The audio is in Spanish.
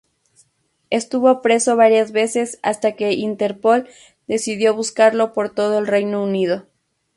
Estuvo preso varias veces hasta que Interpol decidió buscarlo por todo el Reino Unido.